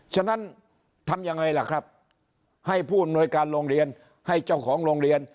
ฉะนั้นทำยังไงล่ะครับให้ผู้อำนวยการโรงเรียนให้เจ้าของโรงเรียน